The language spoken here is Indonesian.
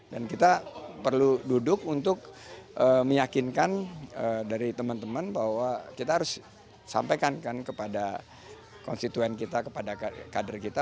dan kita perlu duduk untuk meyakinkan dari teman teman bahwa kita harus sampaikan kepada konstituen kita kepada kader kita